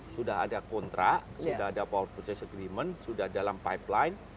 sudah ada kontrak sudah ada power process agreement sudah dalam pipeline